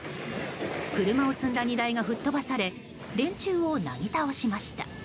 車を積んだ荷台が吹っ飛ばされ電柱をなぎ倒しました。